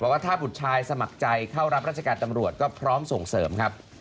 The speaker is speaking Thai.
ว่าถ้าบุตรชายสมัครใจเข้ารับราชการตำรวจก็พร้อมส่งเสริมครับ